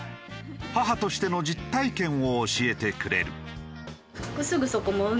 母としての実体験を教えてくれる。